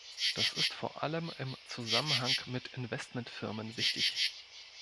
Das ist vor allem im Zusammenhang mit Investmentfirmen wichtig.